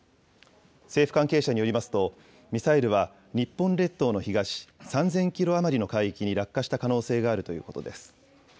政府関係者によりますと、ミサイルは日本列島の東３０００キロ余りの海域に落下した可能性があるということです。